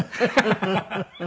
フフフフ！